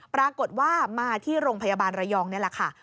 ปรากฏว่ามาที่โรงพยาบาลระยองนี่แหละค่ะ